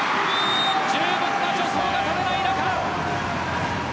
十分な助走が取れない中。